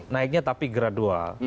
naiknya tapi gradual